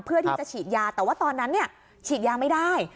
เพื่อที่จะฉีดยาแต่ว่าตอนนั้นฉีดยาไม่ได้